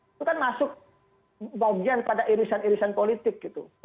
itu kan masuk bagian pada irisan irisan politik gitu